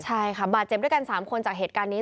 ใช่ค่ะบาดเจ็บด้วยกัน๓คนจากเหตุการณ์นี้